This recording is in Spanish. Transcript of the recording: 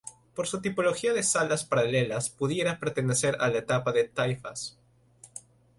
Por su tipología de salas paralelas pudiera pertenecer a la etapa de Taifas.